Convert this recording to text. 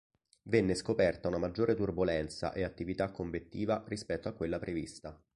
Venne scoperta una maggiore turbolenza e attività convettiva rispetto a quella prevista.